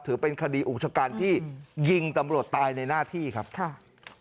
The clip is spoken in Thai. ถือเป็นคดีอุกชการที่ยิงตำรวจตายในหน้าที่ครับค่ะ